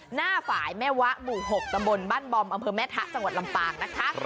หน้าฝ่ายแม่วะหมู่๖ตำบลบ้านบอมอำเภอแม่ทะจังหวัดลำปางนะคะ